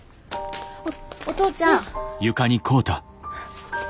お父ちゃん。